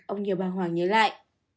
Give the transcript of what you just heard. ông nhiều bà hoàng nhớ lại